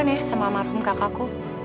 ya aku senang punya telfon kamu